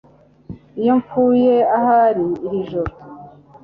Iyo mpfuye ahari iri joro